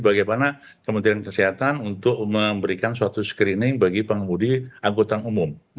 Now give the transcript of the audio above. bagaimana kementerian kesehatan untuk memberikan suatu screening bagi pengemudi angkutan umum